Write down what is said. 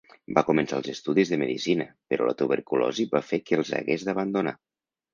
Va començar els estudis de Medicina però la tuberculosi va fer que els hagués d'abandonar.